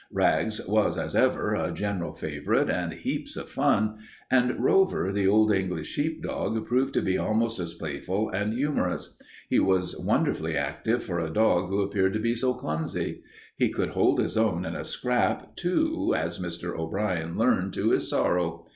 Rags was, as ever, a general favorite and heaps of fun, and Rover, the Old English sheepdog, proved to be almost as playful and humorous. He was wonderfully active for a dog who appeared to be so clumsy. He could hold his own in a scrap, too, as Mr. O'Brien learned to his sorrow.